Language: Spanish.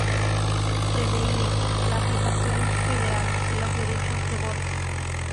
Preveía la aplicación federal de los derechos de voto.